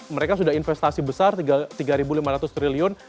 mereka sudah investasi besar rp tiga lima ratus triliun